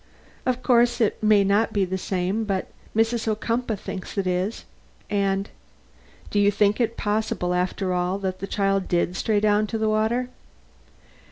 Of course, it may not be the same, but Mrs. Ocumpaugh thinks it is, and " "Do you think it possible, after all, that the child did stray down to the water?"